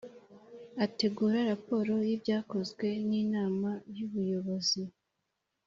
Ategura raporo y ibyakozwe n Inama y Ubuyobozi